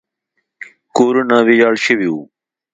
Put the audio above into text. کورونه ویجاړ شوي وو.